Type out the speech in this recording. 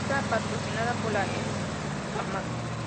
Está patrocinada por la Excma.